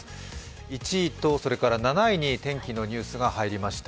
１位と７位に天気のニュースが入りました。